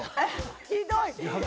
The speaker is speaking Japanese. ひどい。